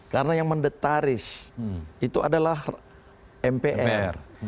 karena yang mendetaris itu adalah mpr